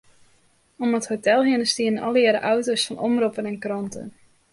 Om it hotel hinne stiene allegearre auto's fan omroppen en kranten.